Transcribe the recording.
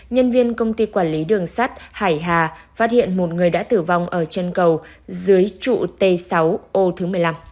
nhân viên công ty quản lý đường sắt hải hà phát hiện một người đã tử vong ở chân cầu dưới trụ t sáu ô thứ một mươi năm